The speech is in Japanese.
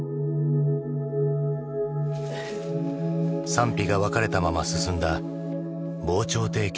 賛否が分かれたまま進んだ防潮堤計画。